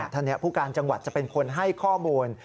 ท่านผู้การจังหวัดจะเป็นคนให้ข้อมูล